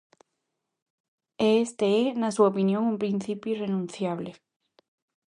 E este é, na súa opinión un principio irrenunciable.